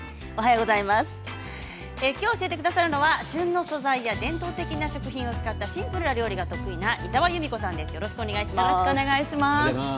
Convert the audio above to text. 今日、教えてくださるのは旬の素材や伝統的な食品を使ったシンプルな料理が得意の井澤由美子さんです。